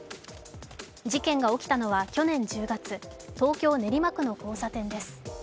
事件が起きたのは去年１０月、東京・練馬区の交差点です。